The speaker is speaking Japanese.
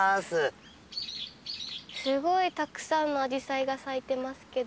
すごいたくさんのアジサイが咲いてますけど。